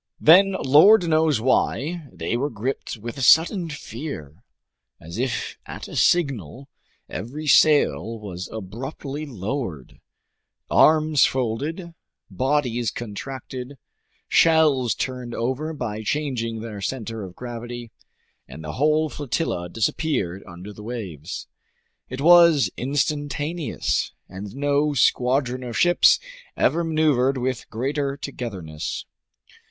Then, lord knows why, they were gripped with a sudden fear. As if at a signal, every sail was abruptly lowered; arms folded, bodies contracted, shells turned over by changing their center of gravity, and the whole flotilla disappeared under the waves. It was instantaneous, and no squadron of ships ever maneuvered with greater togetherness.